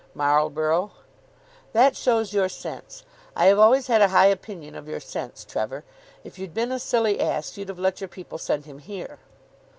"Marlborough." "That shows your sense. I have always had a high opinion of your sense, Trevor. If you'd been a silly ass, you'd have let your people send him here."